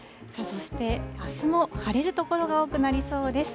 そして、あすも晴れる所が多くなりそうです。